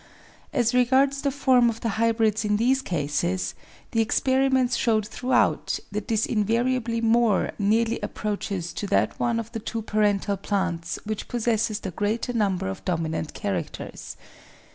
As regards the form of the hybrids in these cases, the experiments showed throughout that this invariably more nearly approaches to that one of the two parental plants which possesses the greater number of dominant characters.